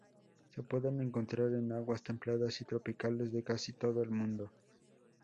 Se pueden encontrar en aguas templadas y tropicales de casi todo el mundo.